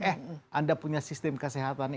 eh anda punya sistem kesehatan